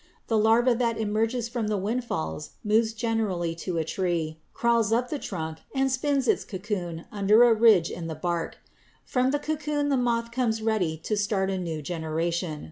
The larva that emerges from the windfalls moves generally to a tree, crawls up the trunk, and spins its cocoon under a ridge in the bark. From the cocoon the moth comes ready to start a new generation.